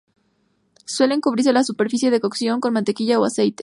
Suele cubrirse la superficie de cocción con mantequilla o aceite.